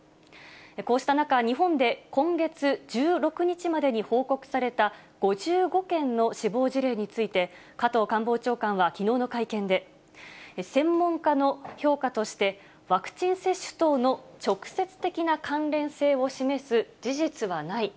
こうした中、日本で今月１６日までに報告された５５件の死亡事例について、加藤官房長官はきのうの会見で、専門家の評価として、ワクチン接種等の直接的な関連性を示す事実はない。